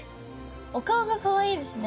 お顔がかわいいですね。